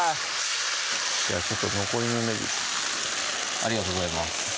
じゃあちょっと残りのねぎありがとうございます